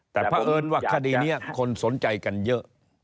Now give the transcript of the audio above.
แต่เพราะเอิญว่าคดีนี้คนสนใจกันเยอะ